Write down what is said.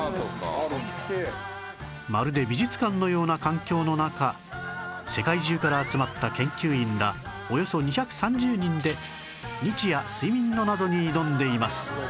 まるで美術館のような環境の中世界中から集まった研究員らおよそ２３０人で日夜睡眠の謎に挑んでいます